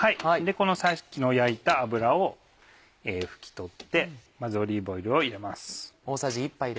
このさっきの焼いた油を拭き取ってまずオリーブオイルを入れます。